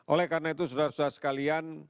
oleh karena itu saudara saudara sekalian